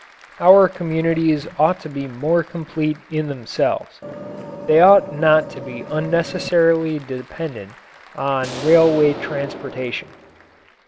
Our communities ought to be more complete in themselves. They ought not to be unnecessarily dependent on railway transportation.